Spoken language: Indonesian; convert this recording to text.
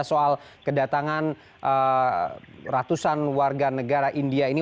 soal kedatangan ratusan warga negara india ini